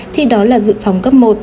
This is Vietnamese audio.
thì đó là dự phóng cấp một